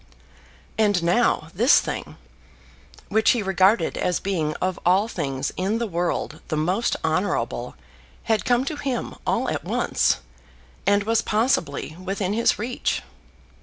And now this thing, which he regarded as being of all things in the world the most honourable, had come to him all at once, and was possibly within his reach!